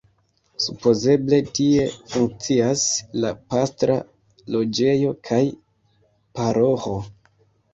Supozeble tie funkcias la pastra loĝejo kaj paroĥo.